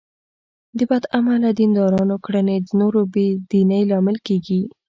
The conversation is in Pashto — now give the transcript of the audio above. د بد عمله دیندارانو کړنې د نورو د بې دینۍ لامل کېږي.